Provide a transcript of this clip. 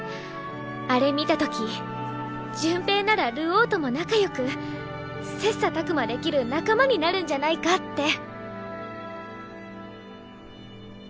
あれ見たとき潤平なら流鶯とも仲よく切磋琢磨できる仲間になるんじゃないかって。